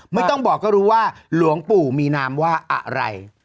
ไม่ต้องบอกก็รู้ว่าหลวงปู่มีนามว่าอะไร